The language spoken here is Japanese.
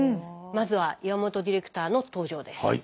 まずは岩本ディレクターの登場です。